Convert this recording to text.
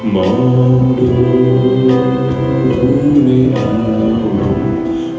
มองดูรู้ในอาวุธ